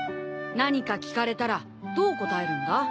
何か聞かれたらどう答えるんだ？